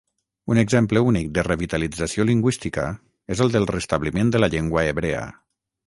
Un exemple únic de revitalització lingüística és el del restabliment de la llengua hebrea.